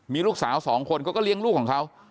มีลูกสาวสองคนเขาก็เลี้ยงลูกของเขา